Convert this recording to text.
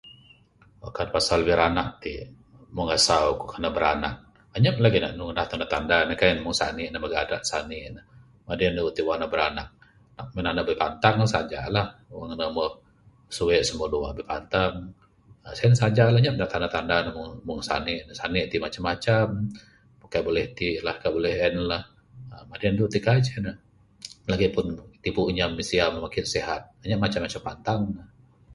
Kan pasal biranak ti, mung asau ku kan ne biranak anyap lagi ne ngundah tanda-tanda ne, kaii ne mung sani ne mung adat sani ne. Madi andu ti wang ne biranak, nak mina ne bipantang saja lah. Wang ne mbuh suwe sen mbuh luah, bipantang. Aaa sien saja la. Anyap ne tanda-tanda ne mung...mung sani ne. Sani ne ti macam-macam. Kaii buleh ti la kaii buleh en la. Madi andu ti kaii ceh ne lagipun tibu inya misiya makin sehat, anyap macam-macam pantang.